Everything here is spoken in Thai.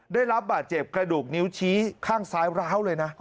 ได้รับบาดเจ็บกระดูกนิ้วชี้ข้างซ้ายร้าวเลยนะ